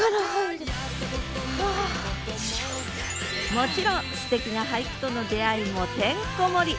もちろんすてきな俳句との出会いもてんこ盛り！